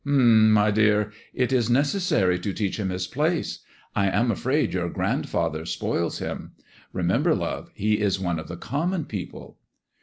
" H'm, my dear ! It is necessary to teach him his placa I am afraid your grandfather spoils him. Bemembw, love, he is one of the common people."